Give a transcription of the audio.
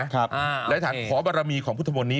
แล้วก็ออกมาแหละก็ขอบารมีของพุทธมนต์นี้